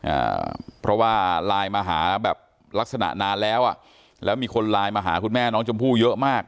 อ่าเพราะว่าไลน์มาหาแบบลักษณะนานแล้วอ่ะแล้วมีคนไลน์มาหาคุณแม่น้องชมพู่เยอะมาก